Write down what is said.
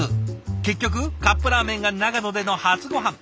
結局カップラーメンが長野での初ごはん。